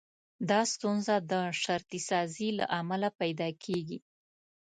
دا ستونزه د شرطي سازي له امله پيدا کېږي.